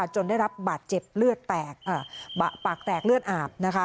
จนได้รับบาดเจ็บเลือดปากแตกเลือดอาบ